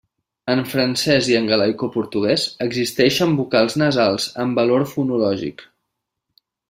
En francès i en galaicoportuguès existeixen vocals nasals amb valor fonològic.